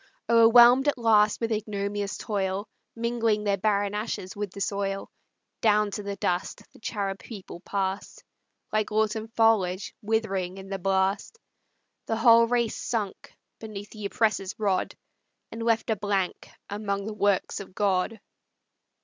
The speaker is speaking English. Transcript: O'erwhelm'd at length with ignominious toil, Mingling their barren ashes with the soil, Down to the dust the Charib people pass'd, Like autumn foliage withering in the blast: The whole race sunk beneath the oppressor's rod, And left a blank among the works of God.